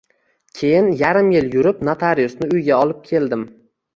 Keyin yarim yil yurib notariusni uyga olib keldim.